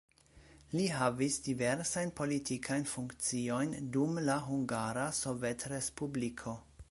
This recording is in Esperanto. Li havis diversajn politikajn funkciojn dum la Hungara Sovetrespubliko.